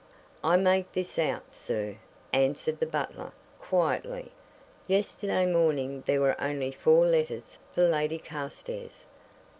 "I make this out, sir," answered the butler, quietly. "Yesterday morning there were only four letters for Lady Carstairs.